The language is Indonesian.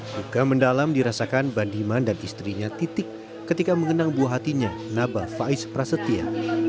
duka mendalam dirasakan bandiman dan istrinya titik ketika mengenang buah hatinya naba faiz prasetya